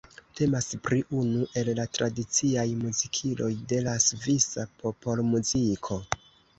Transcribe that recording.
Temas pri unu el la tradiciaj muzikiloj de la svisa popolmuziko.